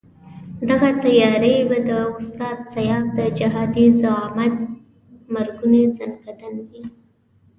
دغه تیاري به د استاد سیاف د جهادي زعامت مرګوني ځنکندن وي.